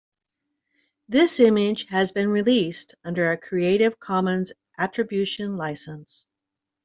This image has been released under a creative commons attribution license.